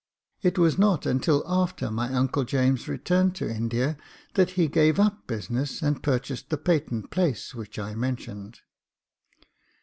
It was not until after my uncle James returned to India that he gave up business, and purchased the patent place which I mentioned.